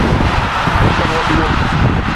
A ñkohol liwo.